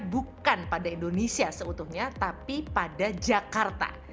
bukan pada indonesia seutuhnya tapi pada jakarta